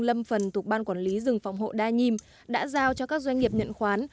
lâm phần thuộc ban quản lý rừng phòng hộ đa nhiêm đã giao cho các doanh nghiệp nhận khoán